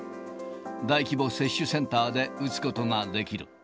大規模接種センターで打つことができる。